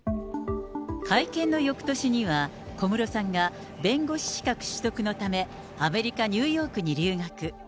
会見のよくとしには、小室さんが弁護士資格取得のため、アメリカ・ニューヨークに留学。